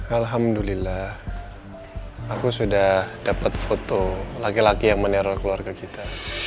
alhamdulillah aku sudah dapat foto laki laki yang meneror keluarga kita